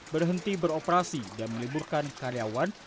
berhenti beroperasi dan meliburkan karyawan